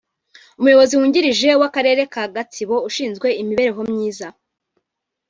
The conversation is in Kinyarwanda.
Umuyobozi wungirije w’Akarere ka Gatsibo ushinzwe imibereho myiza